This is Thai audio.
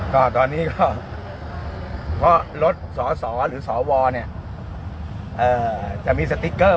ก็ตอนนี้ก็พอรถสสหรือสวเนี้ยเอ่อจะมีสติกเกอร์